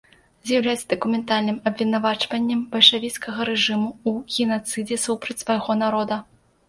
З'яўляецца дакументальным абвінавачваннем бальшавіцкага рэжыму ў генацыдзе супраць свайго народа.